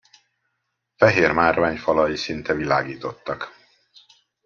Fehér márványfalai szinte világítottak.